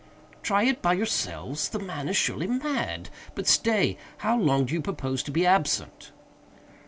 "Try it by yourselves! The man is surely mad!—but stay!—how long do you propose to be absent?"